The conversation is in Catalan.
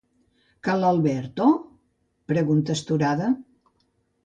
Que l'Alberto? –pregunta astorada–.